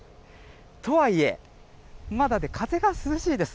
とはいえ、まだ風が涼しいです。